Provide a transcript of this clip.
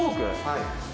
はい。